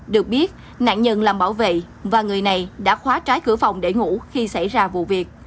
được biết nạn nhân làm bảo vệ và người này đã khóa trái cửa phòng để ngủ khi xảy ra vụ việc